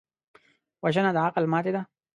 وژنه د عقل ماتې ده